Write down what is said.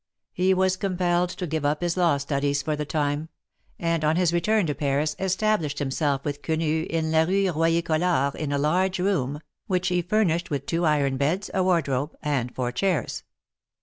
He was compelled to give up his law studies for the time ; and on his return to Paris, established himself with Quenu in la Rue Royer Collard in a large room, which he furnished with two iron beds, a wardrobe and four chairs.